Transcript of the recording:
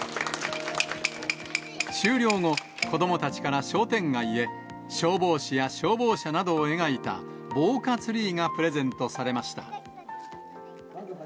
終了後、子どもたちから商店街へ、消防士や消防車などを描いた防火ツリーがプレゼントされました。